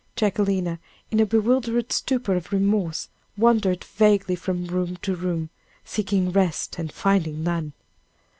Jacquelina, in a bewildered stupor of remorse, wandered vaguely from room to room, seeking rest and finding none.